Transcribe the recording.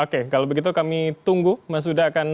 kalau begitu kami tunggu mas uda akan